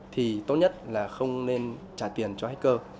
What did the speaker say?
thì tốt nhất là không nên trả tiền cho hacker